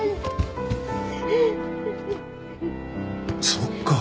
そっか。